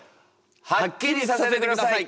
はっきりさせてください！